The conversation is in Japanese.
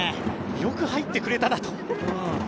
よく入ってくれたなと。